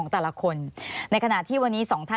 มีความรู้สึกว่ามีความรู้สึกว่า